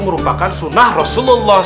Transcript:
merupakan sunnah rasulullah